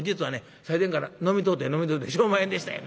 最前から飲みとうて飲みとうてしょうまへんでした。